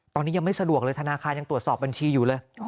ตอนนี้ยังไม่สะดวกเลยธนาคารยังตรวจสอบบัญชีอยู่เลย